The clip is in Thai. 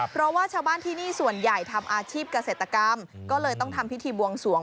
เพราะว่าชาวบ้านที่นี่ส่วนใหญ่ทำอาชีพเกษตรกรรมก็เลยต้องทำพิธีบวงสวง